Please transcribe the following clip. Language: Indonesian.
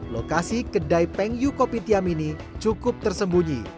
lokasi kedai peng yu kopi team ini cukup tersembunyi